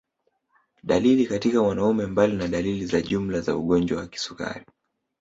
Dalili katika wanaume Mbali na dalili za jumla za ugonjwa wa kisukari